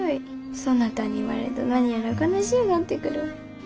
そなたに言われると何やら悲しうなってくるわ。